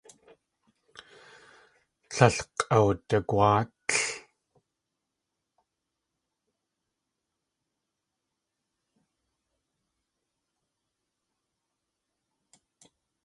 Tlél k̲ʼawdagwáatl.